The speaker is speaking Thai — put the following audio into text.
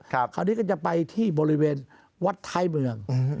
คราวนี้ก็จะไปที่บริเวณวัดท้ายเมือง